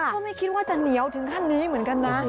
ก็ไม่คิดว่าจะเหนียวถึงขั้นนี้เหมือนกันนะ